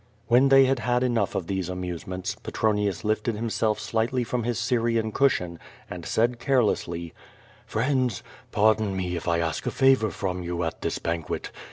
"When they had had enough of these amusements, Petronius lifted himself slightly from his Syrian cushion, and said, carelessly: "Friends, pardon me if I ask a favor from you at this banquet.